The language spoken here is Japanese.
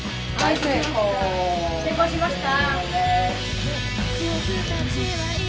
成功しました。